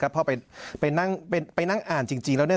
เพราะไปนั่งอ่านจริงแล้ว